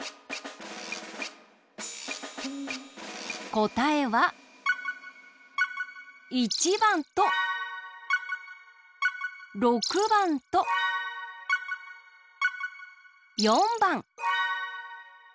こたえは１ばんと６ばんと４ばん！